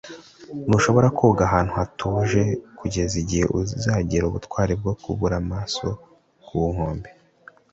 ntushobora koga ahantu hatuje kugeza igihe uzagira ubutwari bwo kubura amaso ku nkombe